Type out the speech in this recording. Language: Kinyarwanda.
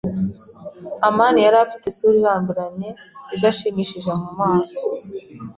amani yari afite isura irambiranye, idashimishije mu maso.